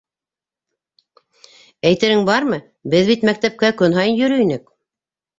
— Әйтерең бармы — беҙ бит мәктәпкә көн һайын йөрөй инек.